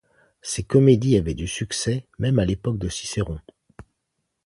Ses comédies avaient du succès même à l'époque de Cicéron.